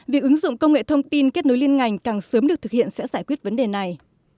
việc ứng dụng công nghệ thông tin kết nối liên ngành càng sớm được thực hiện sẽ giải quyết vấn đề này